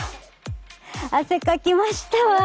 汗かきましたわ。